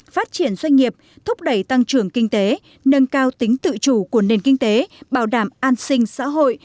phát triển doanh nghiệp thúc đẩy tăng trưởng kinh tế nâng cao tính tự chủ của nền kinh tế bảo đảm an sinh xã hội